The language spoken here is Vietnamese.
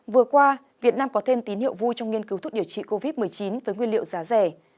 vừa qua việt nam có thêm tín hiệu vui trong nghiên cứu thuốc điều trị covid một mươi chín với nguyên liệu giá rẻ